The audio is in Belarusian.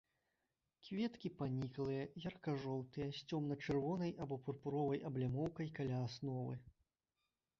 Кветкі паніклыя, ярка-жоўтыя, з цёмна-чырвонай або пурпуровай аблямоўкай каля асновы.